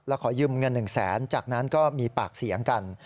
แล้วขอยืมเงิน๑แสนจากนั้นก็มีปากเสียงกัน